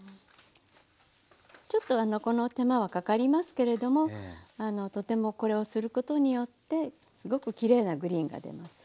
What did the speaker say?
ちょっとこの手間はかかりますけれどもとてもこれをすることによってすごくきれいなグリーンが出ます。